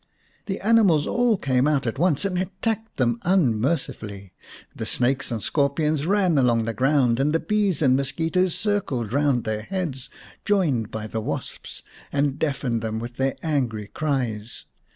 The animals all came out at once and attacked them unmercifully. The snakes and scorpions ran along the ground, the bees and mosquitoes circled round their heads, joined by the wasps, and deafened them with their angry cries.